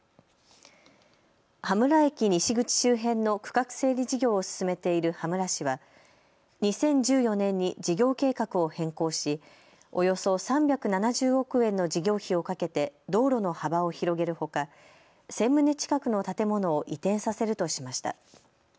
羽村駅西口周辺の区画整理事業を進めている羽村市は２０１４年に事業計画を変更しおよそ３７０億円の事業費をかけて道路の幅を広げるほか１０００棟近くの建物を移転させるとしました。